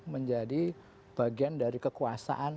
menjadi bagian dari kekuasaan